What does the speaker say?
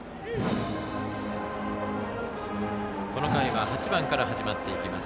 この回は８番から始まります。